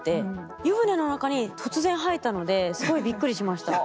湯船の中に突然生えたのですごいびっくりしました。